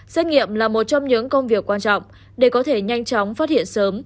xét nghiệm là một trong những công việc quan trọng để có thể nhanh chóng phát hiện sớm